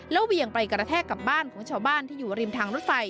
เวียงไปกระแทกกับบ้านของชาวบ้านที่อยู่ริมทางรถไฟ